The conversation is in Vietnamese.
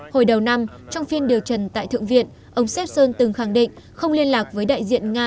hồi đầu năm trong phiên điều trần tại thượng viện ông seebson từng khẳng định không liên lạc với đại diện nga